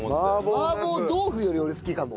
麻婆豆腐より俺好きかも。